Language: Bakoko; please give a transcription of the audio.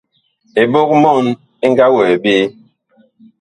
Eɓog-mɔɔn ɛ nga wɛɛ ɓe.